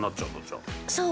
そう。